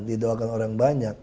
didoakan orang banyak